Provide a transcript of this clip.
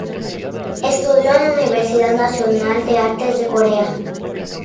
Estudió en la Universidad Nacional de Artes de Corea.